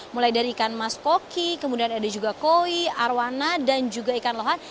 mulai dari ikan maskoki kemudian ada juga koi arowana dan juga ikan lohan